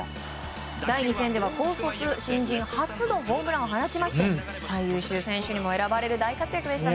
第２戦では高卒新人初のホームランを放ちまして最優秀選手にも選ばれる大活躍でした。